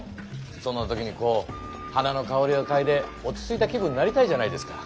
そんな時にこう花の香りをかいで落ち着いた気分になりたいじゃないですか。